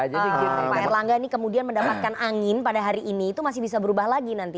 jadi pak erlangga ini kemudian mendapatkan angin pada hari ini itu masih bisa berubah lagi nanti